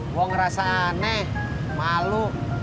gue ngerasa aneh malu